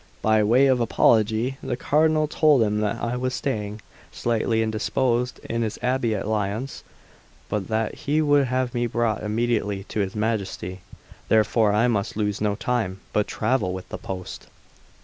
By way of apology, the Cardinal told him that I was staying, slightly indisposed, in his abbey at Lyons, but that he would have me brought immediately to his Majesty. Therefore I must lose no time, but travel with the post.